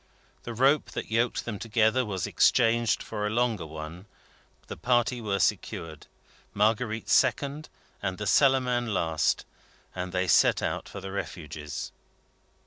The rope that yoked them together was exchanged for a longer one; the party were secured, Marguerite second, and the Cellarman last; and they set out for the Refuges.